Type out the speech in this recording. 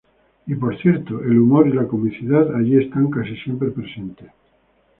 Y por cierto, el humor y la comicidad allí están casi siempre presentes.